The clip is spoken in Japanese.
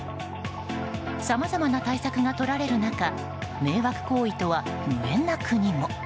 さまざまな対策がとられる中迷惑行為とは無縁な国も。